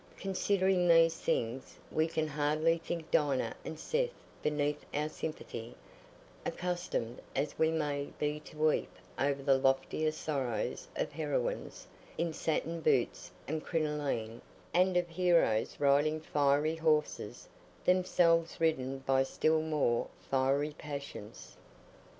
Considering these things, we can hardly think Dinah and Seth beneath our sympathy, accustomed as we may be to weep over the loftier sorrows of heroines in satin boots and crinoline, and of heroes riding fiery horses, themselves ridden by still more fiery passions.